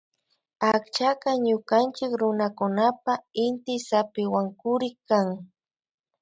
Akchaka ñukanchik runakunapan inty zapiwankurik kan